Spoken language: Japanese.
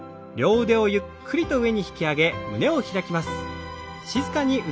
腕をゆっくりと上に大きく胸を開きます。